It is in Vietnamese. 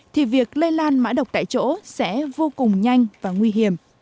thì việc lây lan mã độc tại chỗ sẽ vô cùng nhanh và nguy hiểm